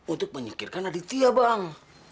untuk menyikirkan aditya bang